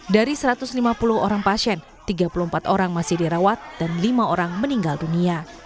dari satu ratus lima puluh orang pasien tiga puluh empat orang masih dirawat dan lima orang meninggal dunia